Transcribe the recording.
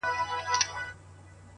• را وتلی په ژوند نه وو له ځنګلونو ,